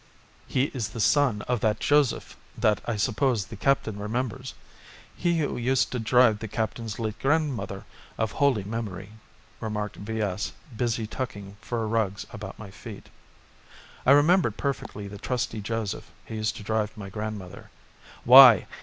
"He is the son of that Joseph that I suppose the Captain remembers. He who used to drive the Captain's late grandmother of holy memory," remarked V.S. busy tucking fur rugs about my feet. I remembered perfectly the trusty Joseph who used to drive my grandmother. Why!